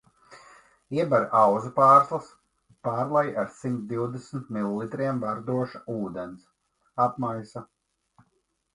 Ieber auzu pārslas, pārlej ar simt divdesmit mililitriem verdoša ūdens, apmaisa.